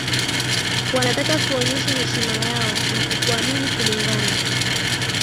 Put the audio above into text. wanataka kuonyesha heshima yao na kukuamini Kulingana